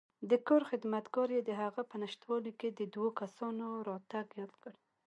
د کور خدمتګار یې دهغه په نشتوالي کې د دوو کسانو راتګ یاد کړ.